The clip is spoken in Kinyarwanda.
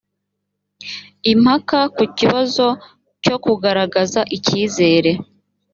impaka ku kibazo cyo kugaragaza icyizere